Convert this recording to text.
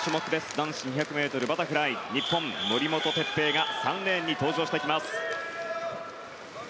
男子２００ｍバタフライ日本、森本哲平が３レーンに登場してきます。